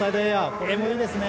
これもいいですね。